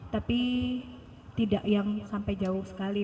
tapi tidak yang sampai jauh sekali